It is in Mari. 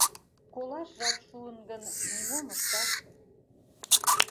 Колаш жап шуын гын, нимом ышташ.